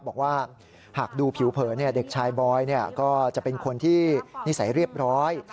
บอกว่าหากดูผิวเผลอเด็กชายบอยก็จะเป็นคนที่นิสัยเรียบร้อย